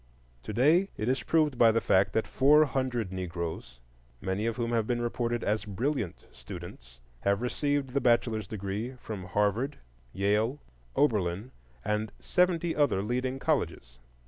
To day it is proved by the fact that four hundred Negroes, many of whom have been reported as brilliant students, have received the bachelor's degree from Harvard, Yale, Oberlin, and seventy other leading colleges.